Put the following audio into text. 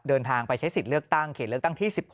เดินทางไปใช้สิทธิ์เลือกตั้งเขตเลือกตั้งที่๑๖